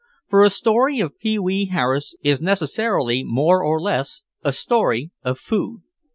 For a story of Pee wee Harris is necessarily more or less a story of food.